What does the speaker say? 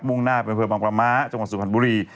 ่งหน้าไปอำเภอบางประม้าจังหวัดสุพรรณบุรี